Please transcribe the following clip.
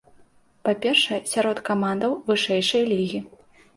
Па-першае, сярод камандаў вышэйшай лігі.